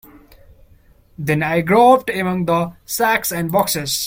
Then I groped among the sacks and boxes.